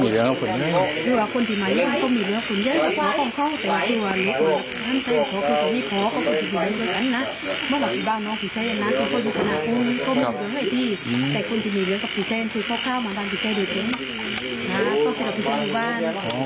ถูกเข้าข้าวมาด้านพิเศษดูดนี้มากค่ะก็คิดว่าวิชัยอยู่บ้าน